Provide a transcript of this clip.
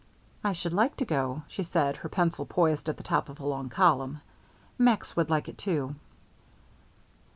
"I should like to go," she said, her pencil poised at the top of a long column. "Max would like it, too."